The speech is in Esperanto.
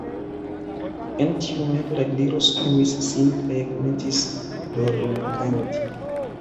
En tiu momento la Gliro skuis sin kaj komencis dormkanti.